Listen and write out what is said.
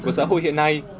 của xã hội hiện nay